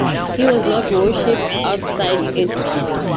He was not worshiped outside it.